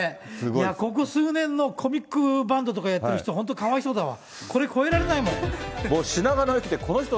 いや、ここ数年のコミックバンドとかやってる人、本当、かわいそうだわ。